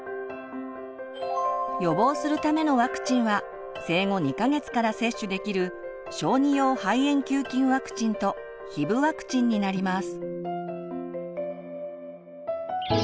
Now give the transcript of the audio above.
予防するためのワクチンは生後２か月から接種できる小児用肺炎球菌ワクチンとヒブワクチンになります。